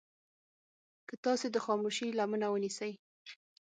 که تاسې د خاموشي لمنه ونيسئ.